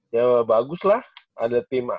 ya bagus lah ada tim